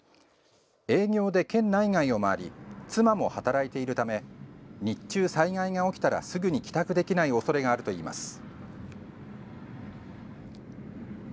営業で県内外を回り妻も働いているため日中、災害が起きたらすぐに帰宅できないおそれがあるといいます。